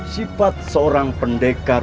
sifat seorang pendekar